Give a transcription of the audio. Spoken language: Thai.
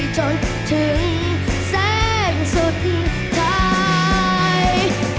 จนถึงเสียงสุดที่ไทย